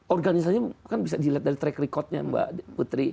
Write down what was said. organisasi ini kan bisa dilihat dari track record nya mbak putri